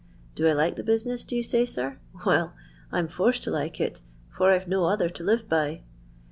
Do I like the business, do you say, sir ? Well, I 'm forced to like it, for I 've no other to live by."